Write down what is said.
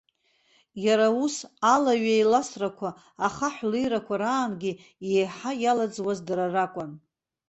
Иара ус аилаҩеиласрақәа, ахаҳә леирақәа раангьы еиҳа иалаӡуаз дара ракәын.